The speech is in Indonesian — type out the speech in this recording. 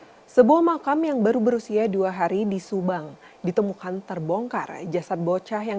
hai sebuah makam yang baru berusia dua hari di subang ditemukan terbongkar jasad bocah yang